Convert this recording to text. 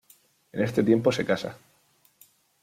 En este tiempo se casa.